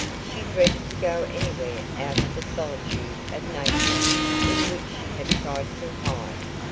She dreaded to go anywhere out of the solitude of Nature in which she had tried to hide.